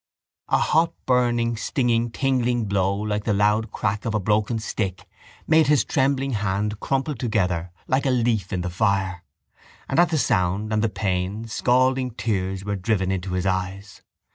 A hot burning stinging tingling blow like the loud crack of a broken stick made his trembling hand crumple together like a leaf in the fire: and at the sound and the pain scalding tears were driven into his eyes.